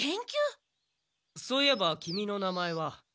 そういえばキミの名前は？